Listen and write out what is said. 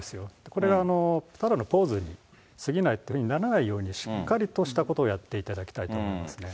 これがただのポーズにすぎないっていうふうにならないように、しっかりとやっていただきたいと思いますね。